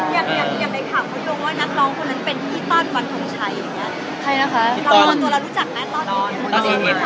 อยากไปถามคุณโยงว่านักร้องคนนั้นเป็นพี่ต้อนวันทุ่มชัยอย่างนี้